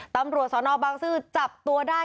ตำรวจสนบางซื่อจับตัวได้